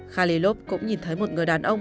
khalilov cũng nhìn thấy một người đàn ông